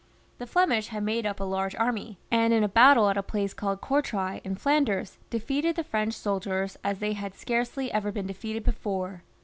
The Flemish had made up a large army, and in a battle at a place called Gourtrai in Flanders, defeated the French soldiers as they had scarcely ever been defeated before.